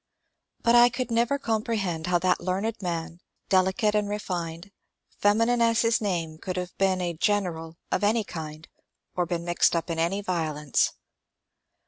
But I could never comprehend how that learned man, delicate and refined, feminine as his name, could have been a ^^ gen eral " of any kind, or been mixed up in any violence.